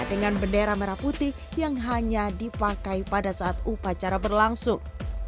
dengan bendera merah putih yang hanya dipakai pada saat upacara berlangsung